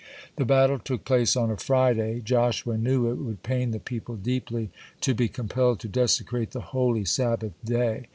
The battle took place on a Friday. Joshua knew it would pain the people deeply to be compelled to desecrate the holy Sabbath day.